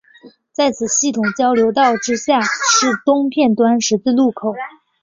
在此系统交流道之下是东片端十字路口。